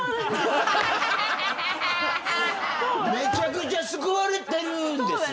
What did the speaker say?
めちゃくちゃ救われてるんですね。